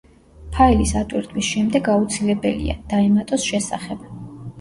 ფაილის ატვირთვის შემდეგ აუცილებელია: დაემატოს შესახებ.